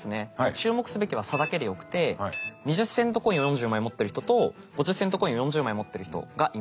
注目すべきは差だけでよくて２０セントコインを４０枚持ってる人と５０セントコインを４０枚持ってる人がいます。